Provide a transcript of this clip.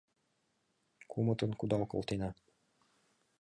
— Кумытын кудал колтена.